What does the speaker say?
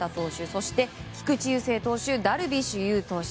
そして、菊池雄星投手ダルビッシュ有投手。